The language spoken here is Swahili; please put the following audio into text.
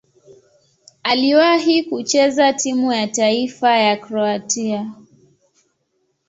Aliwahi kucheza timu ya taifa ya Kroatia.